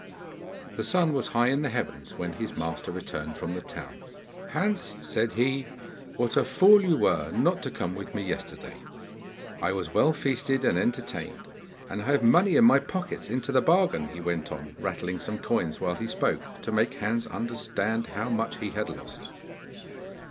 The sun was high in the heavens when his master returned from the town. 'Hans,' said he, 'what a fool you were not to come with me yesterday! I was well feasted and entertained, and I have money in my pocket into the bargain,' he went on, rattling some coins while he spoke, to make Hans understand how much he had lost.